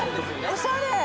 おしゃれ！